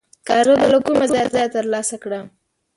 سکاره به له کومه ځایه تر لاسه کړم؟